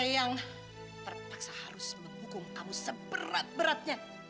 yang terpaksa harus menghukum kamu seberat beratnya